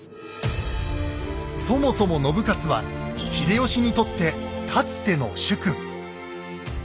そもそも信雄は秀吉にとってかつての主君。